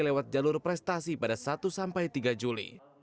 lewat jalur prestasi pada satu sampai tiga juli